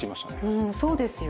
うんそうですよね。